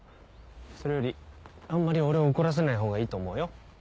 それよりあんまり俺を怒らせないほうがいいと思うよ。